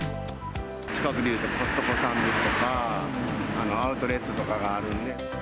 近くで言うとコストコさんですとか、アウトレットとかがあるんで。